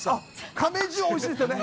亀十、おいしいですよね。